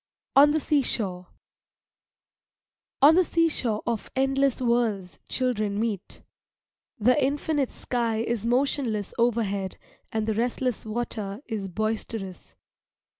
ON THE SEASHORE On the seashore of endless worlds children meet. The infinite sky is motionless overhead and the restless water is boisterous.